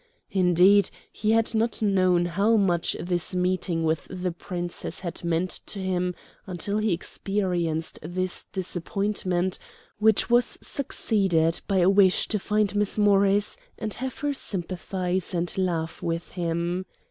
Indeed, he had not known how much this meeting with the Princess had meant to him until he experienced this disappointment, which was succeeded by a wish to find Miss Morris, and have her sympathize and laugh with him.